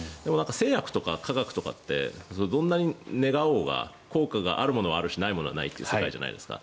製薬とか化学とかってどんなに願おうが効果があるものはあるしないものはないという世界じゃないですか。